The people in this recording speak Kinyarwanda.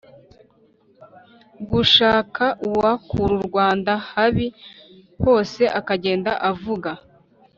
gushaka uwakura u rwanda habi, hose akagenda avuga